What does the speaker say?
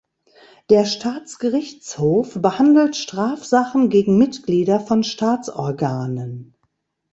Der Staatsgerichtshof behandelt Strafsachen gegen Mitglieder von Staatsorganen.